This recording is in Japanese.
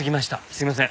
すいません。